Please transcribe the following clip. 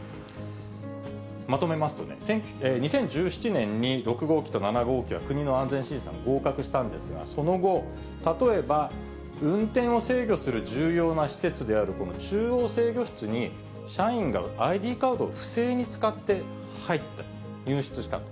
まとめますとね、２０１７年に６号機と７号機は国の安全審査に合格したんですが、その後、例えば、運転を制御する重要な施設である中央制御室に、社員がＩＤカードを不正に使って入った、入室したと。